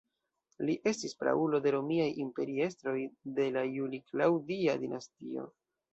Li estis praulo de Romiaj imperiestroj de la Juli-Klaŭdia dinastio.